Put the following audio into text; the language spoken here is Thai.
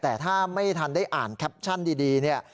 แต่ถ้าไม่ทันได้อ่านแคปชั่นดีเนี่ย